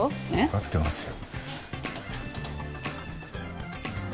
わかってますよ。